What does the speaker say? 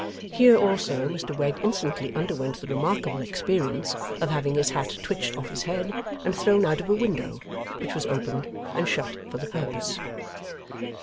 Here, also, Mr Wegg instantly underwent the remarkable experience of having his hat twitched off his head and thrown out of a window, which was opened and shut for the purpose.